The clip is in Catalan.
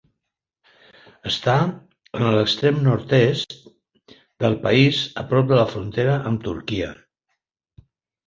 Està en l'extrem nord-oest del país, a prop de la frontera amb Turquia.